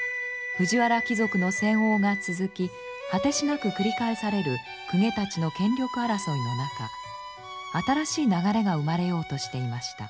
藤原貴族の専横が続き果てしなく繰り返される公家たちの権力争いの中新しい流れが生まれようとしていました。